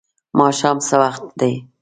ماښام څه وخت دی؟